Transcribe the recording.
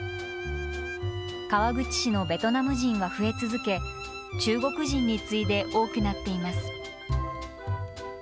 川口市のベトナム人は増え続け、中国人に次いで多くなっています。